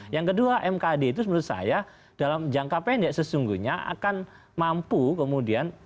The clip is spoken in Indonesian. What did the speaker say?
yang kedua mkd itu menurut saya dalam jangka pendek sesungguhnya akan mampu kemudian